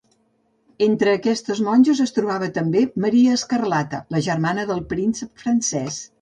Entre aquestes monges es trobava també Maria Escarlata, la germana del príncep francès.